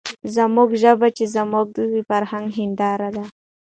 زموږ ژبه چې زموږ د فرهنګ هېنداره ده،